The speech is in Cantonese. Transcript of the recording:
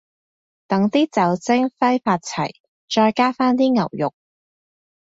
等啲酒精揮發齊，再加返啲牛肉